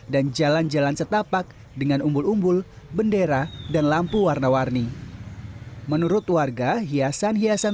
dan jalan jalan setapak dengan umbul umbul bendera dan lampu warna warni menurut warga hiasan hiasan